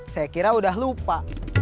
saya kira udah lupa